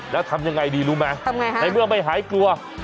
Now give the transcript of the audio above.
แล้วทำยังไงดีรู้ไหมในเมื่อไม่หายกลัว